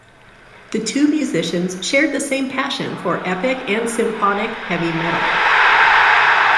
The two musicians shared the same passion for epic and symphonic Heavy Metal.